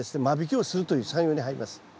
間引きをするという作業に入ります。